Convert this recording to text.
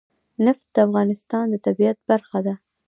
نفت د افغانستان د طبیعت برخه ده.